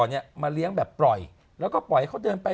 นางเก่งยัง๑๐๒ปี